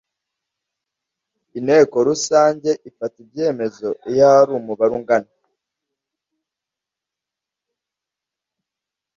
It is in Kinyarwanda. Inteko Rusange ifata ibyemezo iyo hari umubare ungana